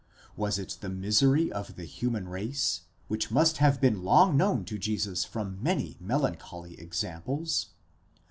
Was it the misery of the human race, which must have been long known to Jesus from many melancholy examples?